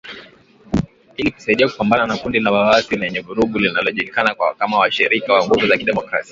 Ili kusaidia kupambana na kundi la waasi lenye vurugu linalojulikana kama Washirika wa Nguvu za Kidemokrasia